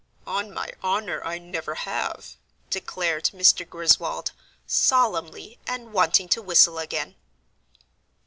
"On my honour, I never have," declared Mr. Griswold, solemnly, and wanting to whistle again.